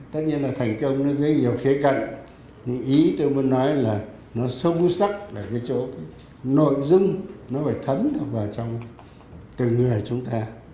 tất nhiên là thành công nó dưới nhiều khế cận nhưng ý tôi muốn nói là nó sâu sắc là cái chỗ nội dung nó phải thấm vào trong từng người chúng ta